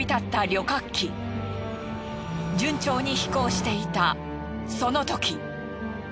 順調に飛行していたそのとき。